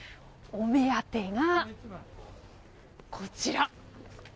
お目当てが、こちら。